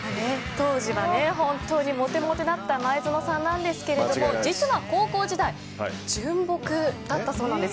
当時は本当にモテモテだった前園さんなんですが実は高校時代純朴だったそうなんです。